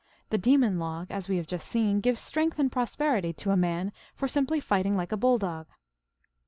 The demon Log, as we have just seen, gives strength and prosperity to a man for simply fighting like a bull dog.